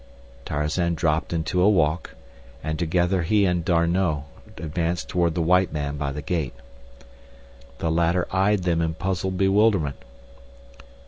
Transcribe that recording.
Tarzan dropped into a walk, and together he and D'Arnot advanced toward the white man by the gate. The latter eyed them in puzzled bewilderment.